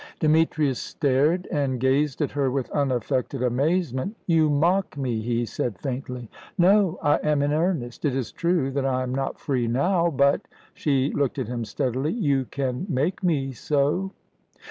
Demetrius stared, and gazed at her with unaffected amazement. "You mock me," he said faintly. "No, I am in earnest. It is true that I am not free now. But," she looked at him steadily, "you can make me so."